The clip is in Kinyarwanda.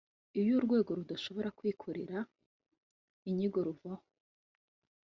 Iyo urwego rudashobora kwikorera inyigo ruvaho